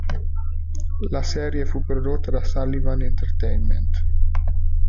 La serie fu prodotta da Sullivan Entertainment.